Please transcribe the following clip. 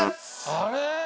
あれ？